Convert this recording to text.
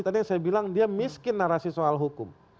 tadi yang saya bilang dia miskin narasi soal hukum